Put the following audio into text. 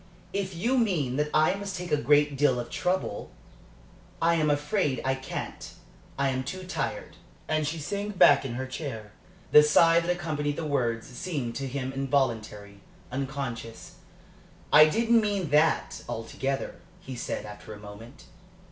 "If you mean that I must take a great deal of trouble, I am afraid I can't. I am too tired." And she sank back in her chair. The sigh that accompanied the words seemed to him involuntary, unconscious. "I didn't mean that altogether," he said, after a moment.